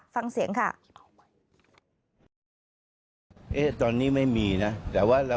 ฟังเสียงค่ะ